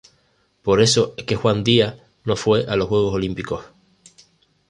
Por eso es que Juan Díaz no fue a los Juegos Olímpicos.